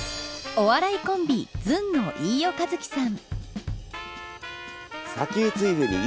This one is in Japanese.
お笑いコンビずんの飯尾和樹さん。